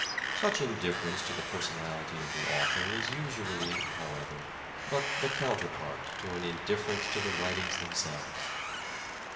Such indifference to the personality of the author is usually, however, but the counterpart to an indifference to the writings themselves.